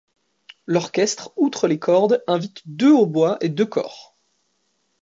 L'orchestre outre les cordes, invite deux hautbois et deux cors.